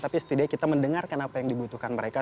tapi setidaknya kita mendengarkan apa yang dibutuhkan mereka